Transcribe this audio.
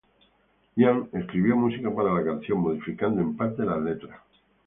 Ian escribió música para la canción, modificando en parte las letras.